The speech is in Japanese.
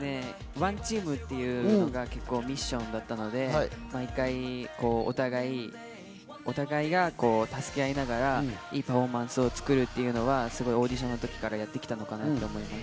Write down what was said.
ＯＮＥＴＥＡＭっていうのがミッションだったので、毎回、お互い、お互いが助け合いながらいいパフォーマンスを作るっていうのはオーディションの時からやってきたのかなと思います。